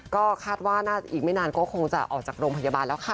ก็คาดว่าน่าจะอีกไม่นานก็คงจะออกจากโรงพยาบาลแล้วค่ะ